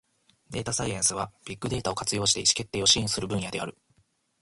データサイエンスは、ビッグデータを活用して意思決定を支援する分野である。